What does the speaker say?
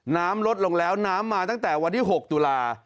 น้ำลดลงแล้วน้ำมาตั้งแต่วันที่๖ตุลา